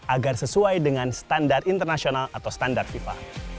agar sesuai dengan standar internasional atau standar fifa